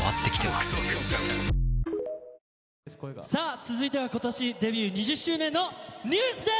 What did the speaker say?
続いては今年デビュー２０周年のＮＥＷＳです。